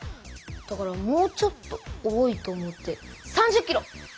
だからもうちょっと多いと思って３０キロ！